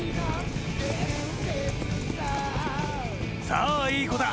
・さあいい子だ